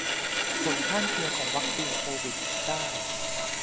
ผลข้างเคียงของวัคซีนโควิดสิบเก้า